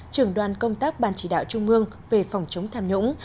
trưởng đoàn công tác ban chỉ đạo trung mương về phòng chống tham nhũng